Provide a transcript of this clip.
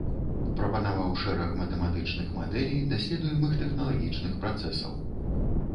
Прапанаваў шэраг матэматычных мадэлей даследуемых тэхналагічных працэсаў.